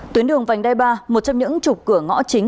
tuyến đường vành đai ba một trong những trục cửa ngõ chính